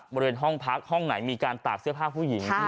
บริเวณห้องพักห้องไหนมีการตากเสื้อผ้าผู้หญิง